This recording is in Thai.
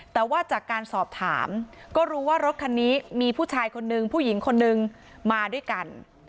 แต่ว่าจากการสอบถามก็รู้ว่ารถคันนี้มีผู้ชายคนนึงผู้หญิงคนนึงมาด้วยกัน